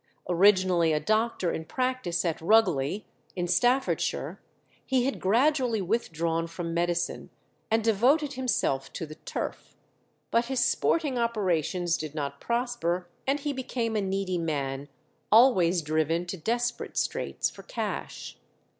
Originally a doctor in practice at Rugeley, in Staffordshire, he had gradually withdrawn from medicine, and devoted himself to the turf; but his sporting operations did not prosper, and he became a needy man, always driven to desperate straits for cash.